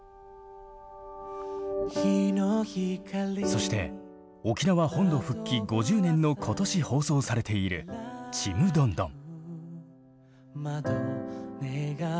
そして沖縄本土復帰５０年の今年放送されている「ちむどんどん」。